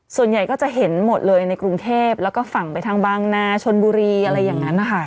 ส่วนใหญ่ก็จะเห็นหมดเลยในกรุงเทพแล้วก็ฝั่งไปทางบางนาชนบุรีอะไรอย่างนั้นนะคะ